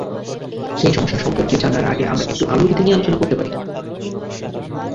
সেই সমস্যা সম্পর্কে জানার আগে আমরা একটু আলোর গতি নিয়ে আলোচনা করতে পারি।